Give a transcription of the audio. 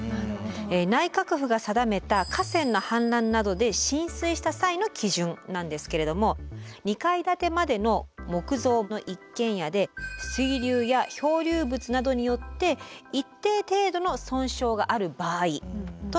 内閣府が定めた河川の氾濫などで浸水した際の基準なんですけれども２階建てまでの木造の一軒家で水流や漂流物などによって一定程度の損傷がある場合となるんですね。